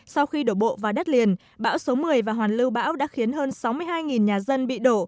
sau khi đổ bộ vào đất liền bão số một mươi và hoàn lưu bão đã khiến hơn sáu mươi hai nhà dân bị đổ